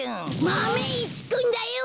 マメ１くんだよ！